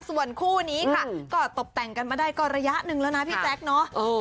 ส่วนคู่นี้ค่ะก็ตบแต่งกันมาได้ก็ระยะหนึ่งแล้วนะพี่แจ๊คเนอะ